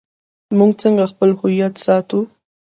موږ څنګه خپل هویت ساتو؟